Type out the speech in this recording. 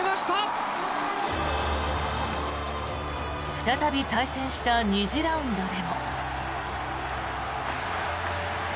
再び対戦した２次ラウンドでも。